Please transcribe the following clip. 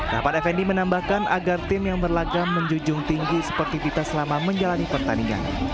rahmat effendi menambahkan agar tim yang berlagak menjujung tinggi sepertiditas selama menjalani pertandingan